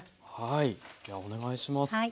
はいではお願いします。